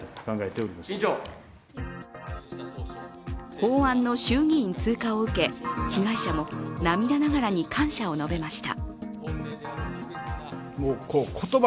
法案の衆議院通過を受け、被害者も涙ながらに感謝を述べました。